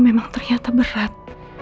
memang ternyata berat